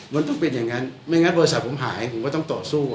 มันต้องเป็นอย่างนั้นไม่งั้นบริษัทผมหายผมก็ต้องต่อสู้